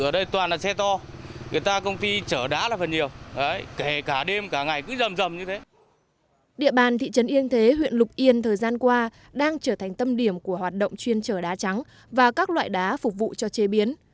địa bàn thị trấn yên thế huyện lục yên thời gian qua đang trở thành tâm điểm của hoạt động chuyên trở đá trắng và các loại đá phục vụ cho chế biến